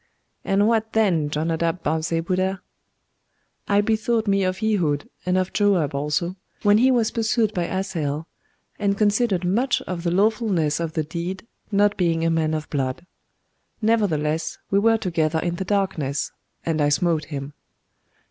'And what then, Jonadab Bar Zebudah?' 'I bethought me of Ehud, and of Joab also, when he was pursued by Asahel, and considered much of the lawfulness of the deed, not being a man of blood. Nevertheless, we were together in the darkness, and I smote him.